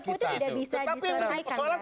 kita harus meluruskan